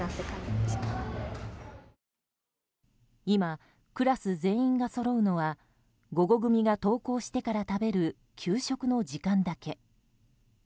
今、クラス全員がそろうのは午後組が登校してから食べる給食の時間だけ。